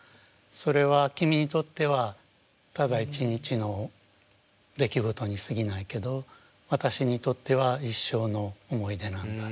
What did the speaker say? それは君にとってはただ一日の出来事にすぎないけど私にとっては一生の思い出なんだ。